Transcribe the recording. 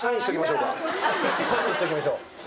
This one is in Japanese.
サインしときましょう。